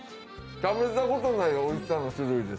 食べたことないおいしさの種類です。